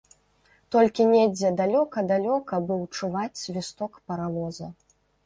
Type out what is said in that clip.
Толькі недзе далёка-далёка быў чуваць свісток паравоза.